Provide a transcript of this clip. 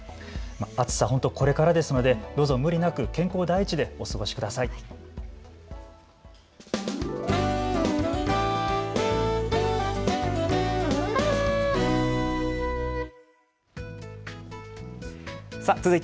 暑さこれからですのでどうぞ無理なく健康第一でお過ごしください。